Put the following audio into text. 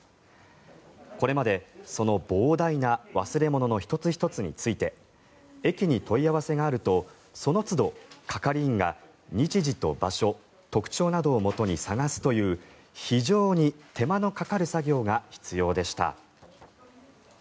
これまで、その膨大な忘れ物の１つ１つについて駅に問い合わせがあるとそのつど、係員が日時と場所、特徴などをもとに捜すという非常に手間のかかる作業が必要でした。